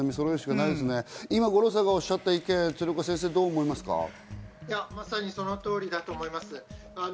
今、五郎さんがおっしゃってまさにその通りだと思います。